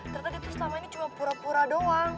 ternyata dia terus selama ini cuma pura pura doang